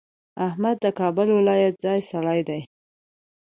احمد د کابل ولایت ځای سړی دی.